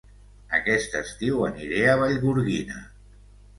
Aquest estiu aniré a Vallgorguina